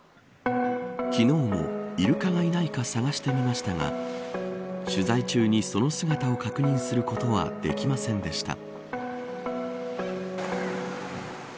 昨日もイルカがいないか探してみましたが取材中にその姿を確認することはできませんでした。